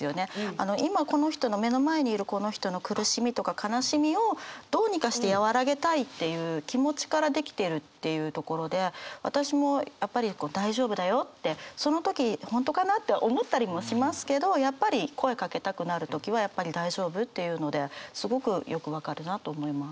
あの今この人の目の前にいるこの人の苦しみとか悲しみをどうにかして和らげたいっていう気持ちから出来てるっていうところで私もやっぱり大丈夫だよってその時本当かなって思ったりもしますけどやっぱり声かけたくなる時はやっぱり大丈夫って言うのですごくよく分かるなと思います。